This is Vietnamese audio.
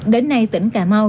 đến nay tỉnh cà mau